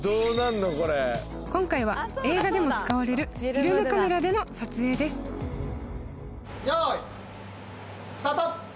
今回は映画でも使われるフィルムカメラでの撮影ですあれ？